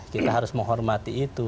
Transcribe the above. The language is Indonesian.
kita harus menghormati itu